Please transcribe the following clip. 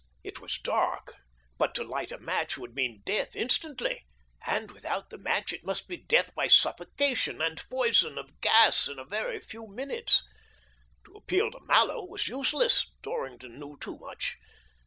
It was dark, but to light a match would mean death instantly, and without the match it must be death by suffocation and poison of gas in a very few minutes. To appeal to Mallows was useless — Dorrington knew too much.